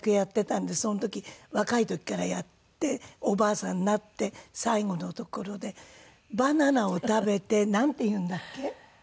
若い時からやっておばあさんになって最後のところでバナナを食べてなんて言うんだっけ？